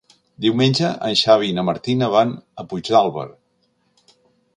Diumenge en Xavi i na Martina van a Puigdàlber.